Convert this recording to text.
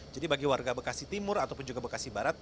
jadi bagi warga bekasi timur ataupun juga bekasi barat